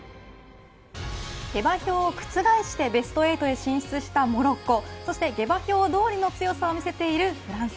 下馬評を覆してベスト８へ進出したモロッコそして下馬評どおりの強さを見せているフランス。